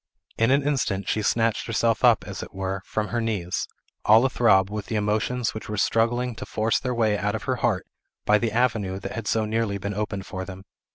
In an instant she snatched herself up, as it were, from her knees, all a throb with the emotions which were struggling to force their way out of her heart by the avenue that had so nearly been opened for them.